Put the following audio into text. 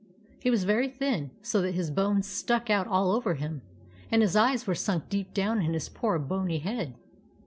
He was very thin, so that his bones stuck out all over him, and his eyes were sunk deep down in his poor bony head.